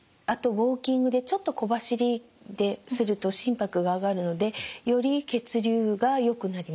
ウォーキングでちょっと小走りですると心拍が上がるのでより血流がよくなります。